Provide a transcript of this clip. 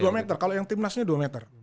dua meter kalau yang tim nas nya dua meter